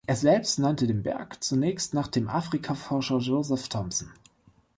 Er selbst nannte den Berg zunächst nach dem Afrikaforscher Joseph Thomson.